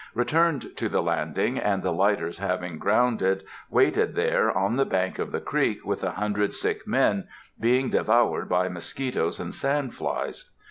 Returned to the landing, and, the lighters having grounded, waited there, on the bank of the creek, with a hundred sick men, being devoured by mosquitoes and sand flies.